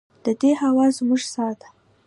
د دې هوا زموږ ساه ده؟